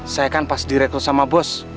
saya kan pas direkrut sama bos